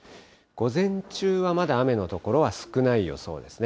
午前中はまだ雨の所は少ない予想ですね。